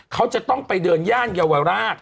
เขาจะต้องไปเดินย่านเยาวราช